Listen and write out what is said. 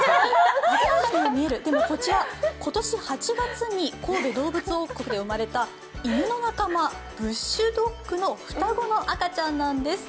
でもこちら、今年８月に神戸どうぶつ王国で生まれた犬の仲間、ブッシュドッグの双子の赤ちゃんなんです。